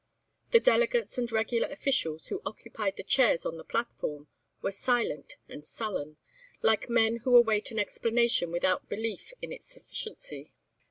The delegates and regular officials, who occupied the chairs on the platform, were silent and sullen, like men who await an explanation without belief in its sufficiency.